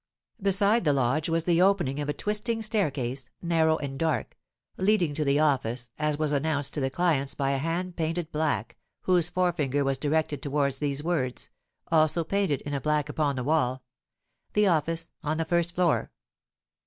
Beside the lodge was the opening of a twisting staircase, narrow and dark, leading to the office, as was announced to the clients by a hand painted black, whose forefinger was directed towards these words, also painted in black upon the wall, "The Office on the first floor."